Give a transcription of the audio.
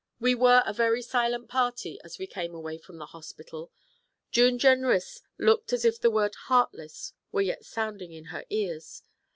We were a very silent party as we came away from the hospital. June Jenrys looked as if the word 'heartless' were yet sounding in her ears.